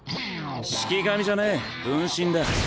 式神じゃねぇ分身だ。